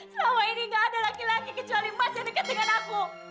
sama ini gak ada laki laki kecuali mas yang dekat dengan aku